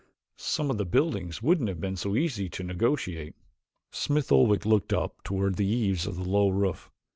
Some of the buildings wouldn't have been so easy to negotiate." Smith Oldwick looked up toward the eaves of the low roof.